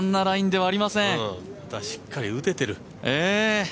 しっかり打ててる。